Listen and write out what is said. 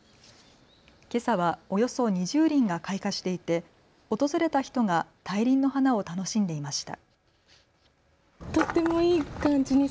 けさはおよそ２０輪が開花していて訪れた人が大輪の花を楽しんでいました。